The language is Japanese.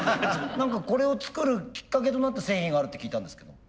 何かこれを作るきっかけとなった製品があるって聞いたんですけども。